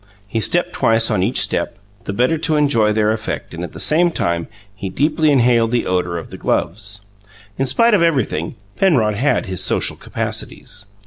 He stepped twice on each step, the better to enjoy their effect and at the same time he deeply inhaled the odour of the gloves. In spite of everything, Penrod had his social capacities.